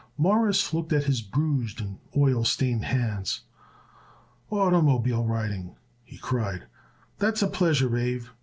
Morris looked at his bruised and oil stained hands. "Oitermobile riding!" he cried. "That's a pleasure, Abe.